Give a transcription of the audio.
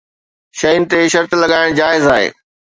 شين تي شرط لڳائڻ جائز آهي.